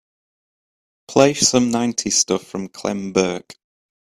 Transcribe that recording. Play some nineties stuff from Clem Burke.